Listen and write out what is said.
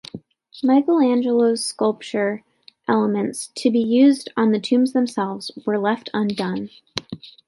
Michelangelo's sculptural elements, to be used on the tombs themselves, were left undone.